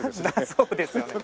そうですよね。